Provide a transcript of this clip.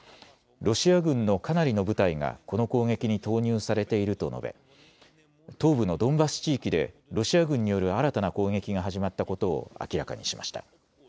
ロシア軍のかなりの部隊がこの攻撃に投入されていると述べ東部のドンバス地域でロシア軍による新たな攻撃が始まったことを、明らかにしました。